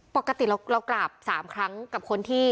ปกติเรากราบ๓ครั้งกับคนที่